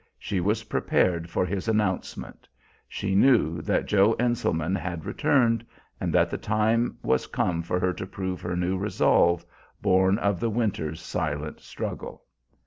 She was prepared for his announcement. She knew that Joe Enselman had returned, and that the time was come for her to prove her new resolve, born of the winter's silent struggle.